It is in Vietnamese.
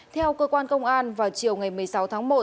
theo cơ quan công an vào chiều ngày một mươi sáu tháng một